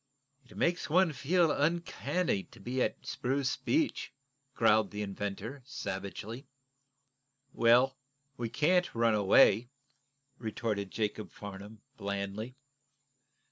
"It makes one feel uncanny to be at Spruce Beach," growled the inventor, savagely. "Well, we can't run away," retorted Jacob Farnum, blandly.